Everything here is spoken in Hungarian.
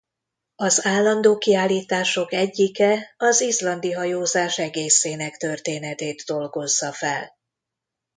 Az állandó kiállítások egyike az izlandi hajózás egészének történetét dolgozza fel.